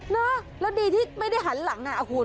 นะแล้วดีที่ไม่ได้หันหลังอ่ะคุณ